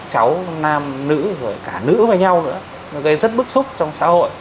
trong năm nữ rồi cả nữ với nhau nữa nó gây rất bức xúc trong xã hội